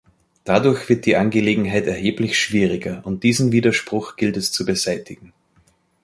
Dadurch wird die Angelegenheit erheblich schwieriger, und diesen Widerspruch gilt es zu beseitigen.